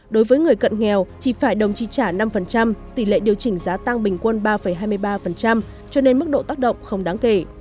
đối với người cận nghèo chỉ phải đồng chi trả năm tỷ lệ điều chỉnh giá tăng bình quân ba hai mươi ba cho nên mức độ tác động không đáng kể